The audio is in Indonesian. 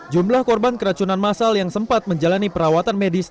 jumlah korban keracunan masal yang sempat menjalani perawatan medis